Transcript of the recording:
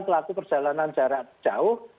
pelaku perjalanan jarak jauh